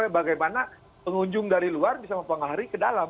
bagaimana pengunjung dari luar bisa mempengaruhi ke dalam